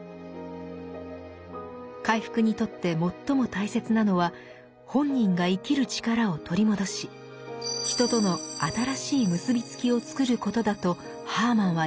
回復にとって最も大切なのは本人が生きる力を取り戻し人との新しい結びつきを作ることだとハーマンは言います。